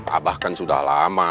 abah kan sudah lama